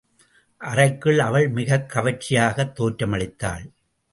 அன்றைக்கு அவள் மிகக் கவர்ச்சியாகத் தோற்றமளித்தாள்.